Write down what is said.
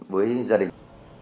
với gia đình